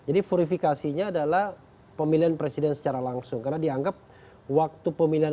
jadi purifikasinya adalah pemilihan presiden secara langsung karena dianggap waktu pemilihan